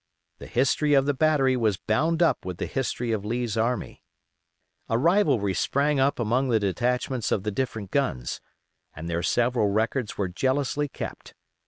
The history of the battery was bound up with the history of Lee's army. A rivalry sprang up among the detachments of the different guns, and their several records were jealously kept.